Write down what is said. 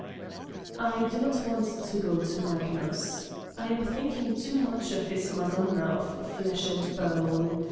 I do not want to go to Magnus. I am thinkinj too much of his Madonna of flesh and bone.